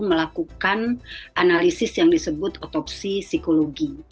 melakukan analisis yang disebut otopsi psikologi